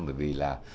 bởi vì là